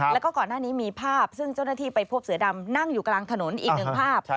แล้วก็ก่อนหน้านี้มีภาพซึ่งเจ้าหน้าที่ไปพบเสือดำนั่งอยู่กลางถนนอีกหนึ่งภาพ